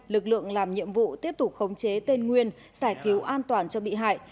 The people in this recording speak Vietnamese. lực lượng làm nhiệm vụ tiếp tục khống chế tên nguyên giải cứu an toàn cho bị hại